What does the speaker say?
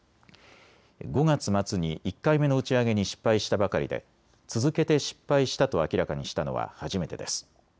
５月末に１回目の打ち上げに失敗したばかりで続けて失敗したと明らかにしたのは初めてです。